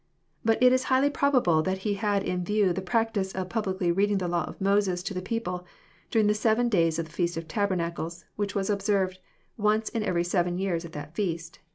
But it is highly probable that He had In view the practice of publicly reading the law of Moses to the people during the seven days of the feast of tabernacles, which was observed once in every seven years at that feast.